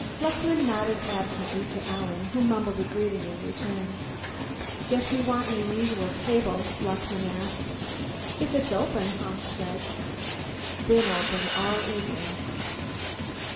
Luckman nodded absently to Alan, who mumbled a greeting in return. "Guess you want your usual table?" Luckman asked. "If it's open," Hawkes said. "Been open all evening."